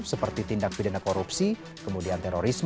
seperti tindak pidana korupsi kemudian terorisme